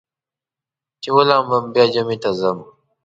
چې ولامبم بیا جمعې ته ځم.